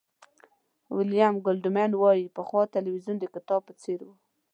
ویلیام گولډمېن وایي پخوا تلویزیون د کتاب په څېر و.